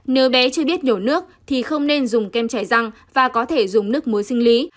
nếu bé chưa biết nhổ nước thì không nên dùng kem chạy răng và có thể dùng nước muối sinh lý